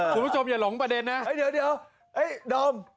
คุณผู้ชมอย่าหลงประเด็นนะเดี๋ยวดอม